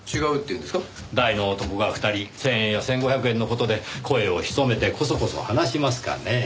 大の男が２人１０００円や１５００円の事で声を潜めてコソコソ話しますかねぇ？